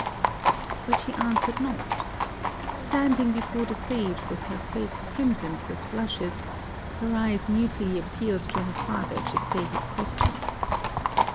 But she answered not. Standing before the sage with her face crimsoned with blushes, her eyes mutely appealed to her father to stay his questions.